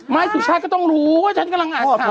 มายกุศชาติก็ต้องรู้ฉันกำลังรอบค่าวอยู่